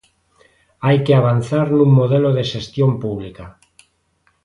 Hai que avanzar nun modelo de xestión pública.